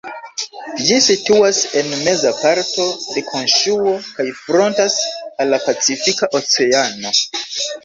Ĝi situas en meza parto de Honŝuo kaj frontas al la Pacifika Oceano.